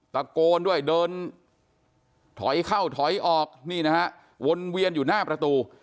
ตะโกนด้วยเดินถอยเข้าถอยออกนี่นะฮะวนเวียนอยู่หน้าประตู